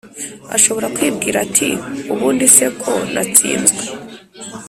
Ashobora kwibwira ati ubundi se ko natsinzwe